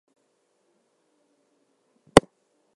The show only ran for three episodes.